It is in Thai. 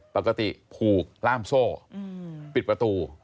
ปกติผูกล่ามโซ่ปิดประตู